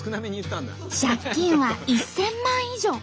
借金は１，０００万以上。